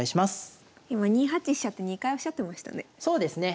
今「２八飛車」って２回おっしゃってましたね。